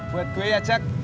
buat gue ya jack